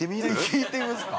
◆聞いてみますか？